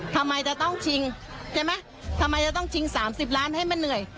ทำไมจะต้องชิง๓๐ล้านให้มันเหนื่อย